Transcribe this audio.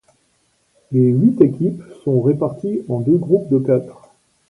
Les huit équipes sont réparties en deux groupes de quatre.